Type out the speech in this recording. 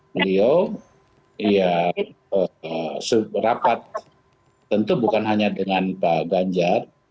beliau ya rapat tentu bukan hanya dengan pak ganjar